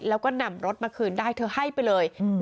แล้วก็นำรถมาคืนได้เธอให้ไปเลย